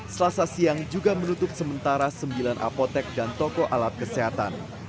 selasa siang juga menutup sementara sembilan apotek dan toko alat kesehatan